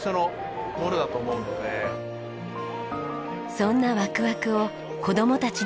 そんなワクワクを子供たちにも。